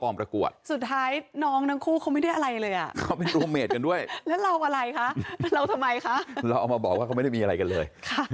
นักฝนกับพี่เดียมีอะไรก็คุยกันตลอดก็ถือว่าเป็นพี่ที่สนิทคนหนึ่งเลย